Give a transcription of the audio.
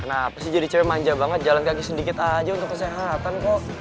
nah pasti jadi cewek manja banget jalan kaki sedikit aja untuk kesehatan kok